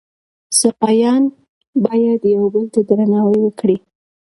سپایان باید یو بل ته درناوی وکړي.